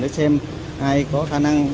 để xem ai có khả năng